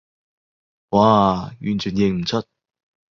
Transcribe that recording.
嘩，完全認唔出